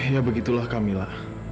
ya begitulah camilla